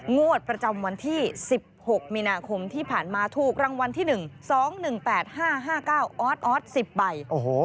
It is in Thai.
งวดประจำวันที่๑๖มีนาคมที่ผ่านมาถูกรางวัลที่๑๒๑๘๕๕๙ออสออส๑๐ใบ